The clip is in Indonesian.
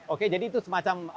oke jadi itu semacam